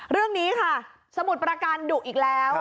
เรื่องนี้ค่ะสมุทรประการดุอีกแล้ว